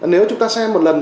nếu chúng ta xem một lần